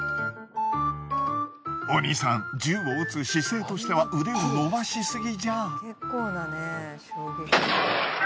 お兄さん銃を撃つ姿勢としては腕を伸ばしすぎじゃあ？